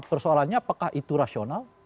persoalannya apakah itu rasional